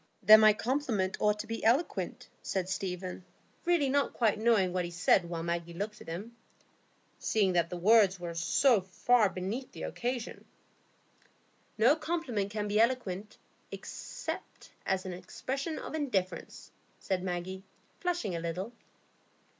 "Then my compliment ought to be eloquent," said Stephen, really not quite knowing what he said while Maggie looked at him, "seeing that the words were so far beneath the occasion." "No compliment can be eloquent, except as an expression of indifference," said Maggie, flushing a little.